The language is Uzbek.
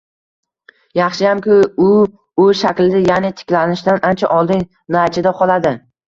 Yaxshiyamki, u U shaklida, ya'ni tiklanishdan ancha oldin "naychada qoladi"